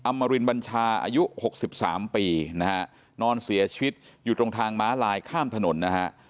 มารินบัญชาอายุ๖๓ปีนะฮะนอนเสียชีวิตอยู่ตรงทางม้าลายข้ามถนนนะฮะ